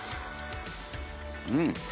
うん！